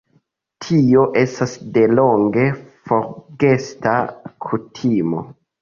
Tio estas delonge forgesita kutimo.